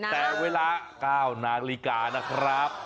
แต่เวลา๙นาฬิกานะครับ